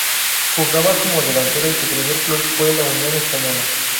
Jugaba como delantero y su primer club fue la Unión Española.